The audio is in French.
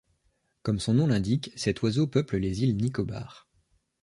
Comme son nom l'indique, cet oiseau peuple les îles Nicobar.